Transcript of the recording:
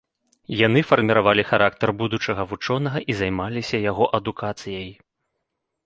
Яны фарміравалі характар будучага вучонага і займаліся яго адукацыяй.